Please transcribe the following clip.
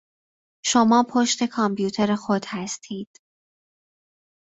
شما پشت کامپیوتر خود هستید